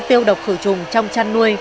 tiêu độc khử trùng trong chăn nuôi